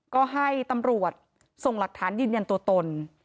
ก็ให้ตำรวจส่งหลักฐานยืนยันตัวตน